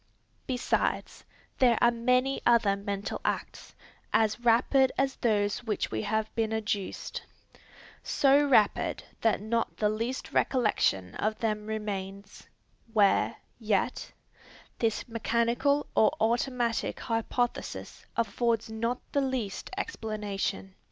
Besides, there are many other mental acts, as rapid as those which have been adduced, so rapid that not the least recollection of them remains, where, yet, this mechanical or automatic hypothesis affords not the least explanation.